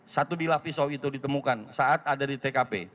satu dilah pisau itu ditemukan saat ada di tkp